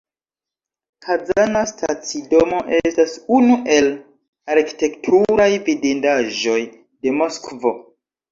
Kazana stacidomo estas unu el arkitekturaj vidindaĵoj de Moskvo.